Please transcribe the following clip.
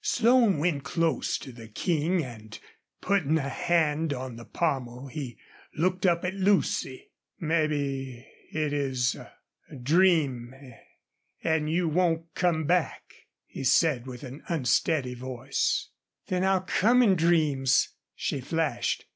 Slone went close to the King and, putting a hand on the pommel, he looked up at Lucy. "Maybe it is a dream an' you won't come back," he said, with unsteady voice. "Then I'll come in dreams," she flashed.